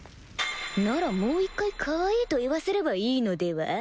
ならもう一回かわいいと言わせればいいのでは？